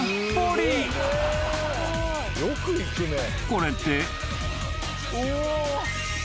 ［これって］